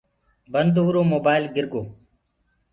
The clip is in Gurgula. بند هوُرو موبآئيل گِرگو۔